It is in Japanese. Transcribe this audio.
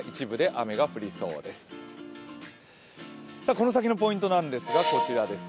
この先のポイントなんですがこちらです。